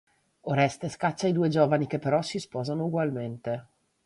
Oreste scaccia i due giovani che però si sposano ugualmente.